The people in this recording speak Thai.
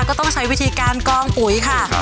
ก็ต้องใช้วิธีการกองปุ๋ยค่ะ